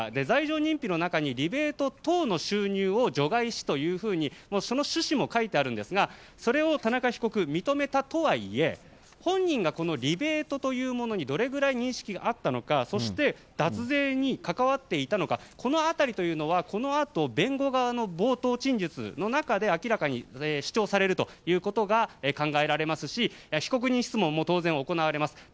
罪状認否の中にリベート等の収入を除外しというふうにその趣旨も書いてあるんですがそれを田中被告、認めたとはいえ本人がリベートというものにどれくらい認識があったのかそして、脱税に関わっていたのかこの辺りというのはこのあと弁護側の冒頭陳述の中で明らかに主張されるということが考えられますし被告人質問も当然行われます。